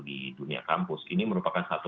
di dunia kampus ini merupakan satu